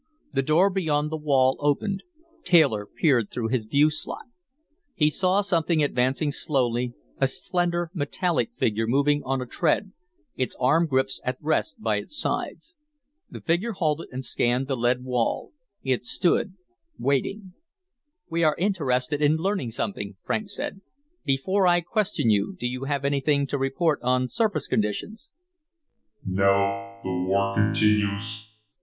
The door beyond the wall opened. Taylor peered through his view slot. He saw something advancing slowly, a slender metallic figure moving on a tread, its arm grips at rest by its sides. The figure halted and scanned the lead wall. It stood, waiting. "We are interested in learning something," Franks said. "Before I question you, do you have anything to report on surface conditions?"